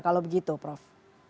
kalau begitu prof